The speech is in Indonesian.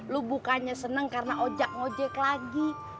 lu bukannya seneng karena ojak ngojek lagi